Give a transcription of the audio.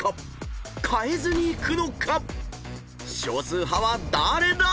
［少数派は誰だ⁉］